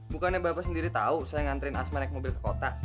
bukannya bapak sendiri tahu saya nganterin asma naik mobil ke kota